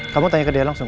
kamu tanya ke dia langsung